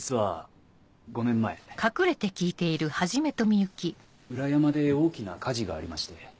実は５年前裏山で大きな火事がありまして。